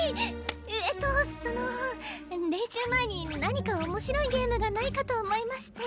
えっとその練習前に何か面白いゲームがないかと思いまして。